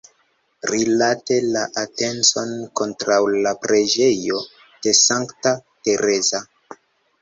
Rilate la atencon kontraŭ la preĝejo de Sankta Tereza.